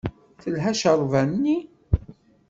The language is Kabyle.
Telha cceṛba-nni?